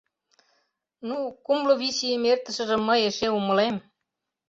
Ну, кумло вич ийым эртышыжым мый эше умылем.